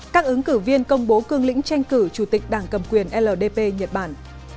các ứng cử viên công bố cương lĩnh tranh cử chủ tịch đảng cầm quyền ldp nhật bản